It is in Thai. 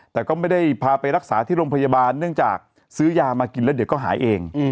แต่ก็ไม่ได้พาไปรักษาที่โรงพยาบาลเนื่องจากซื้อยามากินแล้วเดี๋ยวก็หายเอง